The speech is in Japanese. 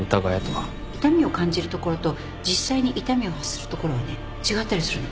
痛みを感じる所と実際に痛みを発する所はね違ったりするの